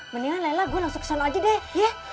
mendingan rela gua langsung kesana aja deh